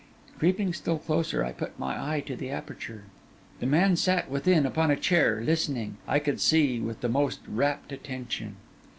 Creeping still closer, I put my eye to the aperture. The man sat within upon a chair, listening, I could see, with the most rapt attention.